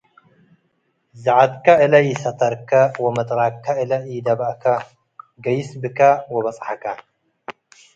ዘዐትክ እለ ኢሰተርከ ወምጥራቅከ እለ ኢደበእከ፡ ገይሰ ብከ ወበጸሐ።